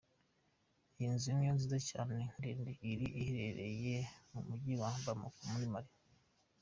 Iyi nzu niyo nziza cyane, ndende iri ahirengereye mu mugi wa Bamako muri Mali.